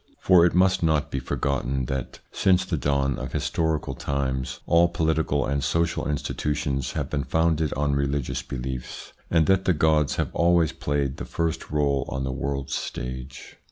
For it must not be forgotten that, since the dawn of historical times, all political and social institutions have been founded on religious beliefs, and that the gods have always played the first role on the world's stage.